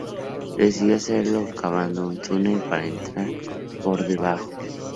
Decidió hacerlo cavando un túnel para entrar por debajo.